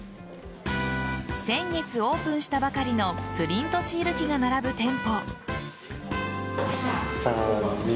先月オープンしたばかりのプリントシール機が並ぶ店舗。